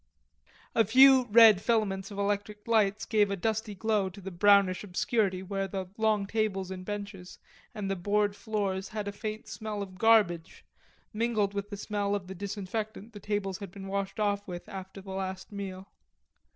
A few red filaments of electric lights gave a dusty glow in the brownish obscurity where the long tables and benches and the board floors had a faint smell of garbage mingled with the smell of the disinfectant the tables had been washed off with after the last meal.